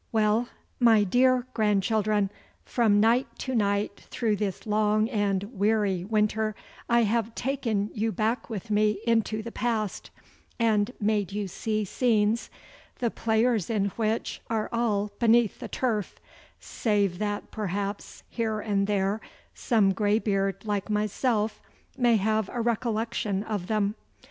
Well, my dear grandchildren, from night to night through this long and weary winter I have taken you back with me into the past, and made you see scenes the players in which are all beneath the turf, save that perhaps here and there some greybeard like myself may have a recollection of them.